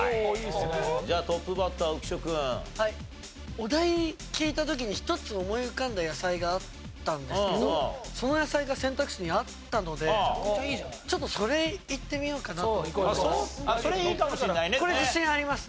お題聞いた時に１つ思い浮かんだ野菜があったんですけどその野菜が選択肢にあったのでちょっとそれいってみようかなと思います。